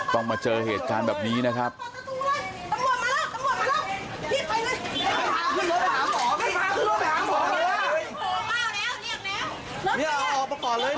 มาเจอเหตุการณ์แบบนี้นะครับ